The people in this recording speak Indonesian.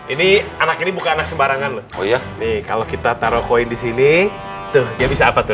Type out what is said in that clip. ini anak ini bukan anak sembarangan loh oh ya nih kalau kita taruh koin di sini tuh ya bisa apa tuh